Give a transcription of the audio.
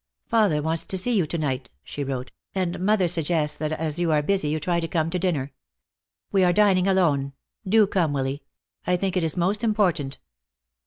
"Father wants to see you to night," she wrote, "and mother suggests that as you are busy, you try to come to dinner. We are dining alone. Do come, Willy. I think it is most important."